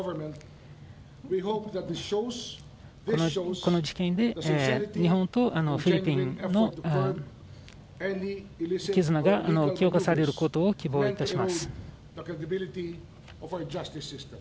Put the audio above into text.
この事件で、日本とフィリピンの絆が強化されることを希望いたします。